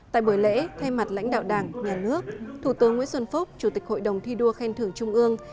tại buổi lễ thay mặt lãnh đạo đảng nhà nước thủ tướng nguyễn xuân phúc chủ tịch hội đồng thi đua khen thưởng trung ương